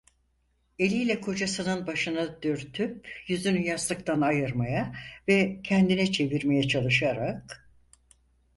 Eliyle kocasının başını dürtüp yüzünü yastıktan ayırmaya ve kendine çevirmeye çalışarak: